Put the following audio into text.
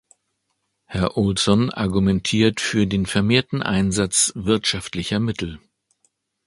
Herr Olsson argumentiert für den vermehrten Einsatz wirtschaftlicher Mittel.